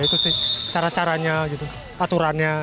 ya itu sih cara caranya gitu